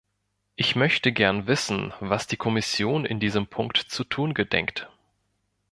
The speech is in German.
Ich möchte gern wissen, was die Kommission in diesem Punkt zu tun gedenkt.